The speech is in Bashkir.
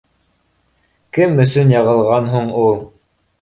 Кем өсөн яғылған һуң ул?